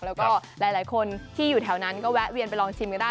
แล้วก็หลายคนที่อยู่แถวนั้นก็แวะเวียนไปลองชิมกันได้